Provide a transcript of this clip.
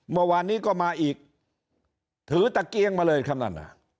เมื่อวานนี้ก็มาอีกถือตะเกียงมาเลยครับนั่น